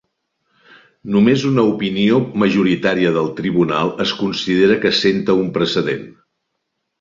Només una opinió majoritària del tribunal es considera que assenta un precedent.